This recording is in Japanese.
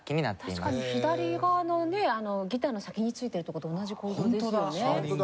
確かに左側のねギターの先に付いてるとこと同じ構造ですよね。